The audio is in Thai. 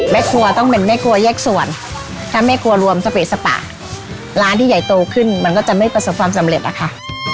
แม่ครัวต้องเป็นแม่ครัวแยกส่วนถ้าแม่ครัวรวมสเปสปะร้านที่ใหญ่โตขึ้นมันก็จะไม่ประสบความสำเร็จนะคะ